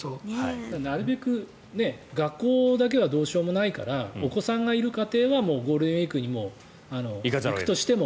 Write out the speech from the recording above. なるべく学校はどうしようもないからお子さんがいる家庭はゴールデンウィークに行くとしても。